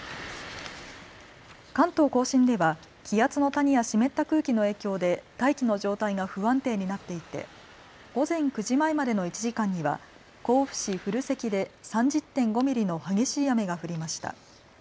関東甲信では気圧の谷や湿った空気の影響で大気の状態が不安定になっていて午前９時前までの１時間には甲府市古関で３０．５ミリの激しい雨が降りました。